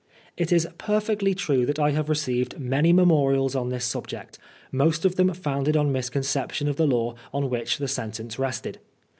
It is perfectly true that I have received many memorials on this subject, most of them founded on misconcep tion of the law on which the sentence rested.